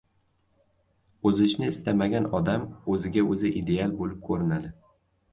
O‘zishni istamagan odam o‘ziga o‘zi ideal bo‘lib ko‘rinadi.